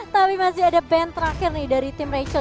tapi masih ada band terakhir nih dari tim rachel